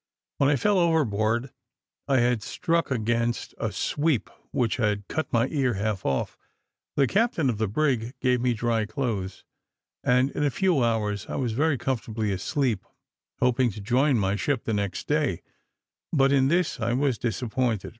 When I fell overboard I had struck against a sweep, which had cut my ear half off. The captain of the brig gave me dry clothes, and in a few hours I was very comfortably asleep, hoping to join my ship the next day; but in this I was disappointed.